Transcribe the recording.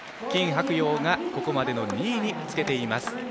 金博洋がここまでの２位につけています。